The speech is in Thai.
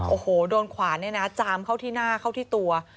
โอ้โหโดนขวานเนี่ยนะจามเข้าที่หน้าเข้าที่ตัว